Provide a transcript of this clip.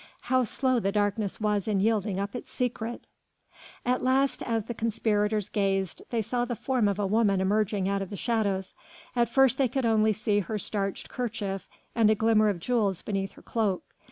How slow the darkness was in yielding up its secret! At last as the conspirators gazed, they saw the form of a woman emerging out of the shadows. At first they could only see her starched kerchief and a glimmer of jewels beneath her cloak.